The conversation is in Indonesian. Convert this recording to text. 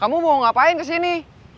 kamu mau ngapain kesini